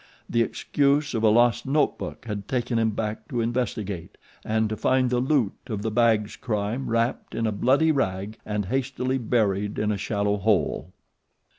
The excuse of a lost note book had taken him back to investigate and to find the loot of the Baggs's crime wrapped in a bloody rag and hastily buried in a shallow hole.